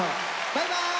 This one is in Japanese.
バイバーイ！